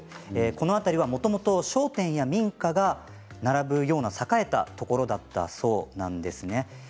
この辺りはもともと商店や民家が並ぶような栄えたところだったそうなんです。